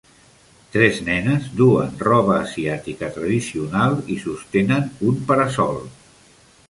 Tres nenes duen roba asiàtica tradicional i sostenen un para-sol.